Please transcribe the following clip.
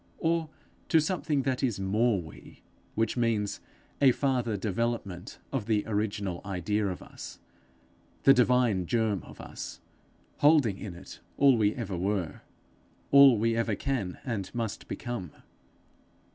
or to something that is more we, which means a farther development of the original idea of us, the divine germ of us, holding in it all we ever were, all we ever can and must become?